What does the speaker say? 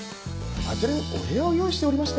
あちらにお部屋を用意しておりまして。